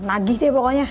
nagih deh pokoknya